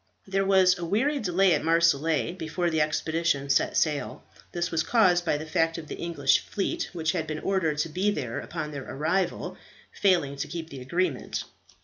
There was a weary delay at Marseilles before the expedition set sail. This was caused by the fact of the English fleet, which had been ordered to be there upon their arrival, failing to keep the agreement.